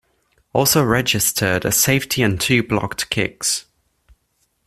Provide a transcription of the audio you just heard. Also registered a safety and two blocked kicks.